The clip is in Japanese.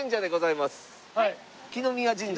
來宮神社。